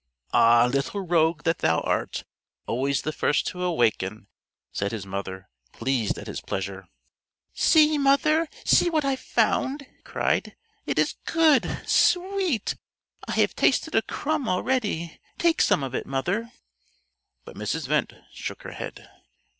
"Ah, little rogue that thou art! Always the first to waken," said his mother, pleased at his pleasure. "See, mother! see what I found!" he cried. "It is good sweet! I have tasted a crumb already. Take some of it, mother." But Mrs. Wendte shook her head.